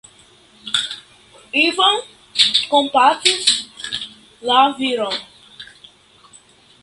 Ivan kompatis la viron.